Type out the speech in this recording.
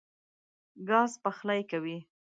ګاز پخلی کوي.